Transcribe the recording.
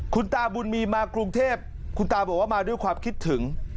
คุณตาบุญมีมากรุงเทพคุณตาบอกว่ามาด้วยความคิดถึง